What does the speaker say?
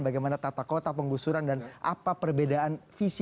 bagaimana tata kota penggusuran dan apa perbedaan visi